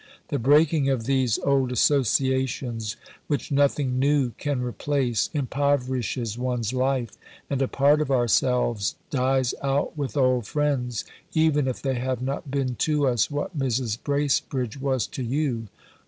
The breaking of these old associations which nothing new can replace impoverishes one's life, and a part of ourselves dies out with old friends even if they have not been to us what Mrs. Bracebridge was to you.